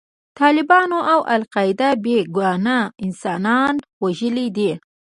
طالبانو او القاعده بې ګناه انسانان وژلي دي.